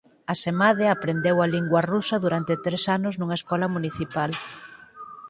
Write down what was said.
Asemade aprendeu a lingua rusa durante tres anos nunha escola municipal.